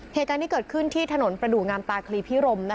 เหตุการณ์ที่เกิดขึ้นที่ถนนประดูกงามตาคลีพิรม